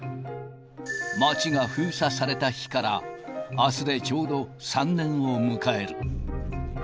街が封鎖された日から、あすでちょうど３年を迎える。